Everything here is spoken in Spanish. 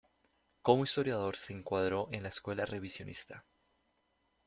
Como historiador se encuadró en la escuela revisionista.